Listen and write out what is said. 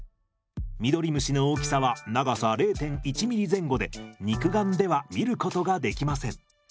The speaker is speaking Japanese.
ミドリムシの大きさは長さ０．１ｍｍ前後で肉眼では見ることができません。